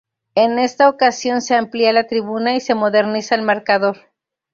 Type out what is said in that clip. En esta ocasión se amplia la tribuna, y se moderniza el marcador.